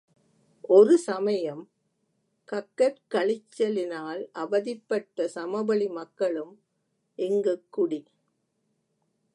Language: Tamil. ஒரு சமயம் கக்கற்கழிச்ச லினால் அவதிப்பட்ட சமவெளி மக்களும் இங்குக் குடி.